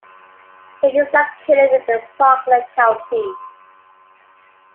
It is located within Parkland County.